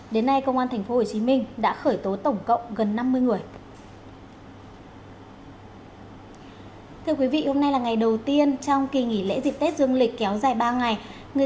đến nay công an tp hcm đã khởi tố tổng cộng gần năm mươi người